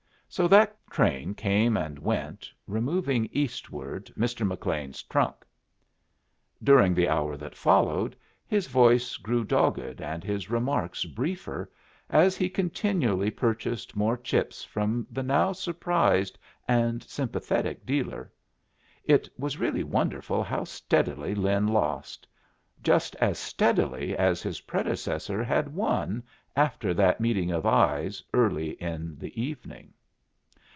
So that train came and went, removing eastward Mr. McLean's trunk. During the hour that followed his voice grew dogged and his remarks briefer, as he continually purchased more chips from the now surprised and sympathetic dealer. It was really wonderful how steadily Lin lost just as steadily as his predecessor had won after that meeting of eyes early in the evening.